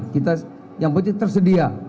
kita yang putih tersedia